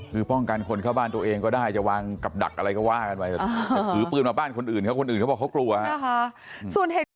คือป้องกันคนเข้าบ้านตัวเองก็ได้จะวางกับดักอะไรก็ว่ากันไปถือปืนมาบ้านคนอื่นเขาคนอื่นเขาบอกเขากลัว